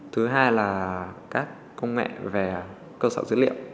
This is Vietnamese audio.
thứ hai là các công nghệ về cơ sở dữ liệu